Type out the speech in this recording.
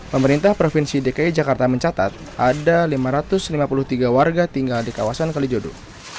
pemerintah provinsi dki jakarta mencatat ada lima ratus lima puluh tiga warga tinggal di kawasan kalijodo